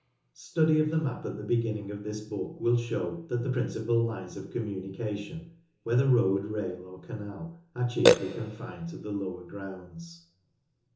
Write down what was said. Study of the map at the beginning of this book will show that the principal lines of communication, whether road, rail, or canal, are chiefly confined to the lower grounds.